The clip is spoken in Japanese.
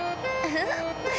フフッ。